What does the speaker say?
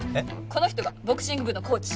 この人がボクシング部のコーチ。